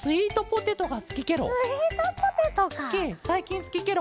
さいきんすきケロ。